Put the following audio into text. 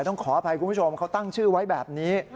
ต้องขออภัยคุณผู้ชมเขาตั้งชื่อไว้แบบนี้